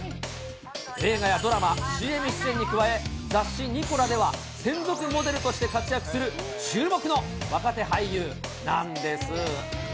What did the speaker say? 映画やドラマ、ＣＭ出演に加え、雑誌、二コラでは専属モデルとして活躍する、注目の若手俳優なんです。